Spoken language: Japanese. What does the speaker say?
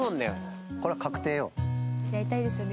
やりたいですよね